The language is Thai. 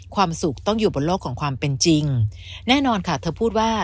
ความสุขต้องอยู่บนโลกของความเป็นจริงแน่นอนค่ะเธอพูดว่า